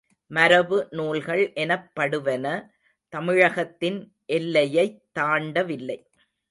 மரபு நூல்கள் எனப்படுவன தமிழகத்தின் எல்லையைத் தாண்டவில்லை.